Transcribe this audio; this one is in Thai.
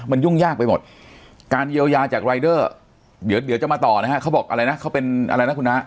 มันยุ่งยากไปหมดการเยียวยาจากรายเดอร์เดี๋ยวจะมาต่อนะฮะเขาบอกอะไรนะเขาเป็นอะไรนะคุณน้า